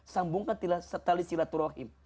sambungkan setali silaturahim